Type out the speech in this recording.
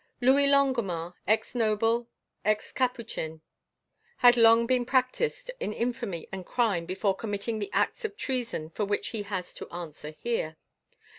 "Louis Longuemare, ex noble, ex capuchin, had long been practised in infamy and crime before committing the acts of treason for which he has to answer here.